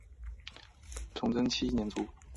崇祯七年卒。